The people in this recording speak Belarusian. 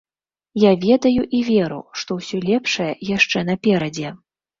Я ведаю і веру, што ўсё лепшае яшчэ наперадзе.